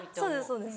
そうです。